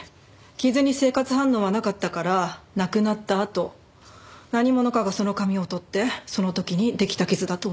傷に生活反応はなかったから亡くなったあと何者かがその紙を取ってその時にできた傷だと思う。